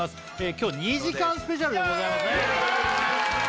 今日２時間スペシャルでございますねイエーイ！